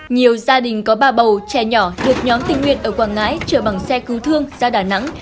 nhiều gia đình có ba bầu trẻ nhỏ được nhóm tình nguyện ở quảng ngãi chở bằng xe cứu thương ra đà nẵng